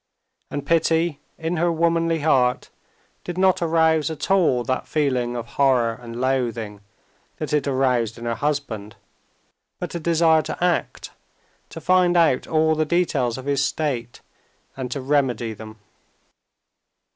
And pity in her womanly heart did not arouse at all that feeling of horror and loathing that it aroused in her husband, but a desire to act, to find out all the details of his state, and to remedy them.